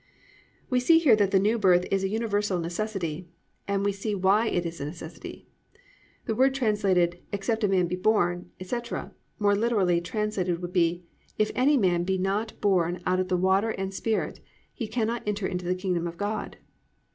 "+ We see here that the New Birth is a universal necessity, and we see why it is a necessity. The words translated, "Except a man be born," etc. more literally translated would be, "If any man be not born out of water and Spirit, he cannot enter into the kingdom of God."